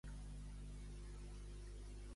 Podríem sentir l'emissora "Ser Catalunya"?